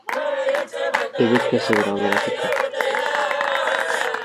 دەبێت کەسێک ڕێبەرایەتی بکات.